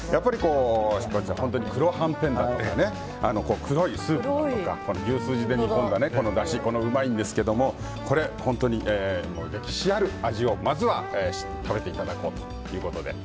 本当に黒はんぺんだったり黒いスープだとか牛すじで煮込んだだし、うまいんですけども歴史ある味をまずは食べていただこうということで。